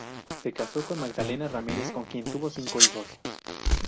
Se casó con Magdalena Ramírez, con quien tuvo cinco hijos.